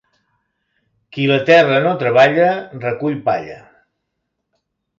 Qui la terra no treballa, recull palla.